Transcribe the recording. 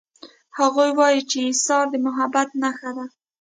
هغوی وایي چې ایثار د محبت نښه ده